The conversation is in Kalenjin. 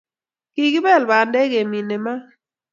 Kikibel bandek ke mene maat